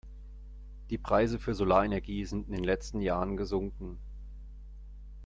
Die Preise für Solarenergie sind in den letzten Jahren gesunken.